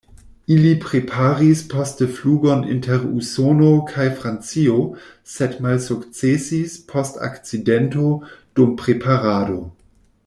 Ili preparis poste flugon inter Usono kaj Francio sed malsukcesis post akcidento dum preparado.